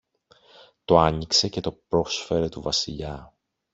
το άνοιξε και το πρόσφερε του Βασιλιά